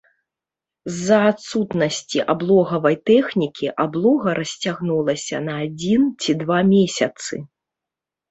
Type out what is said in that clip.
З-за адсутнасці аблогавай тэхнікі аблога расцягнулася на адзін ці два месяцы.